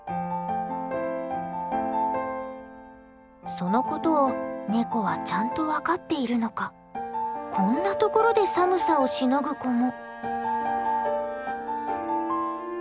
そのことをネコはちゃんと分かっているのかこんな所で寒さをしのぐ子も。